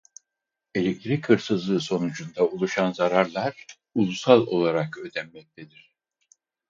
Elektrik hırsızlığı sonucunda oluşan zararlar ulusal olarak ödenmektedir.